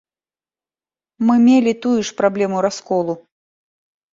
Мы мелі тую ж праблему расколу.